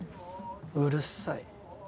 うるさい。